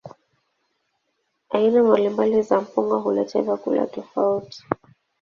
Aina mbalimbali za mpunga huleta vyakula tofauti.